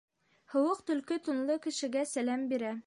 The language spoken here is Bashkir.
Һыуыҡ төлкө тунлы кешегә сәләм бирә